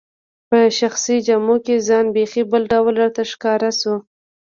په شخصي جامو کي ځان بیخي بل ډول راته ښکاره شو.